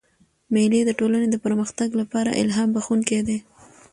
مېلې د ټولني د پرمختګ له پاره الهام بخښونکي دي.